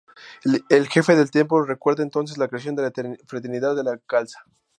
El jefe del templo recuerda entonces la creación de la fraternidad de la "khalsa".